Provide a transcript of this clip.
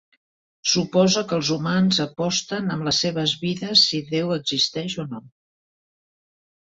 Suposa que els humans aposten amb les seves vides si Déu existeix o no.